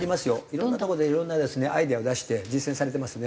いろんなとこでいろんなですねアイデアを出して実践されてますね。